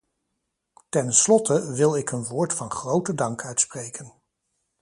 Ten slotte wil ik een woord van grote dank uitspreken.